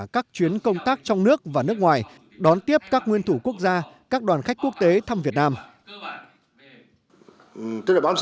các chuyến công tác trong nước và nước ngoài đón tiếp các nguyên thủ quốc gia các đoàn khách quốc tế thăm việt nam